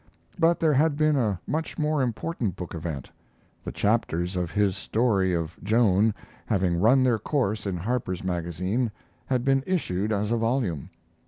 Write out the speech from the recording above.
But there had been a much more important book event. The chapters of his story of Joan having run their course in Harper's Magazine had been issued as a volume.